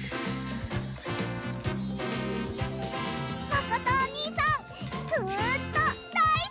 まことおにいさんずっとだいすき！